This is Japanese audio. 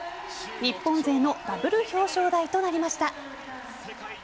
日本勢のダブル表彰台となりました。